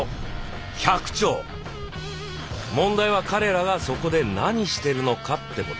問題は彼らがそこで何してるのかってこと。